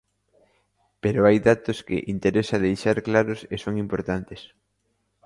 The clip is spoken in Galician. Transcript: Pero hai datos que interesa deixar claros e son importantes.